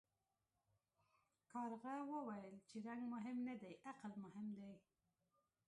کارغه وویل چې رنګ مهم نه دی عقل مهم دی.